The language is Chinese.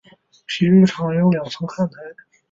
体育场有两层看台。